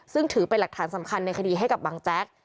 ซึ่งถือเป็นหลักฐานสำคัญในคดีให้กับบังแจ๊ก